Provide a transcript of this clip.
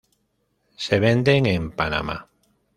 Se venden en Panamá.